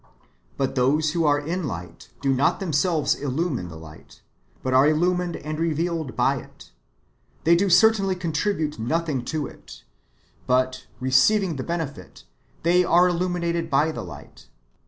But those who are in liiiht do not themselves illumine the light, but are illumined and revealed by it : they do certainly contribute nothing to it, bat, receiving the benefit, they are illumined by the light.